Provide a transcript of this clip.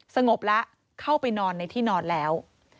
สงบแล้วเข้าไปนอนในที่นอนแล้ว